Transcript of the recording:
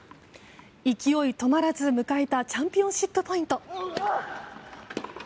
勢い止まらず迎えたチャンピオンシップポイント。